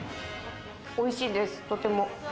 おいしいです、とても。